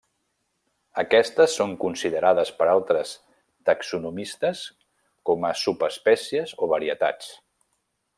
Aquestes són considerades per altres taxonomistes com a subespècies o varietats.